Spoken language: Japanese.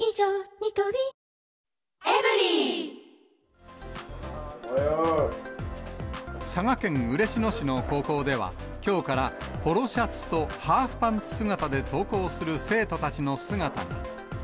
ニトリ佐賀県嬉野市の高校では、きょうからポロシャツとハーフパンツ姿で登校する生徒たちの姿が。